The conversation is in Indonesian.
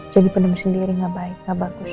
jadi pendama sendiri gak baik gak bagus